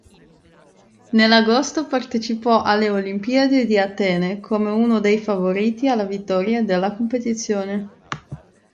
Nell'agosto partecipò alle Olimpiadi di Atene come uno dei favoriti alla vittoria della competizione.